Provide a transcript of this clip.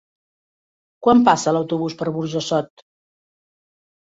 Quan passa l'autobús per Burjassot?